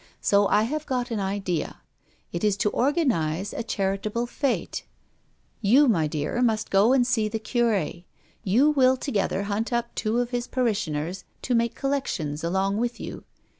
So I have got an idea; it is to organize a charitable fête. You, my dear, must go and see the curé; you will together hunt up two of his parishioners to make collections along with you.